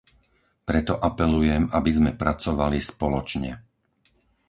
Preto apelujem, aby sme pracovali spoločne.